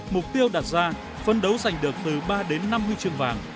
mục tiêu đặt ra phân đấu giành được từ ba đến năm huy chương vàng